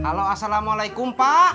halo assalamualaikum pak